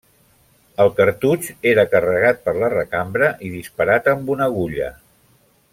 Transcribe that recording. El cartutx era carregat per la recambra i disparat amb una agulla.